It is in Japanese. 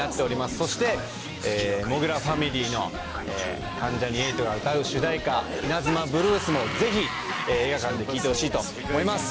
そして、土竜ファミリーの関ジャニ∞が歌う主題歌、稲妻ブルースも、ぜひ映画館で聴いてほしいと思います。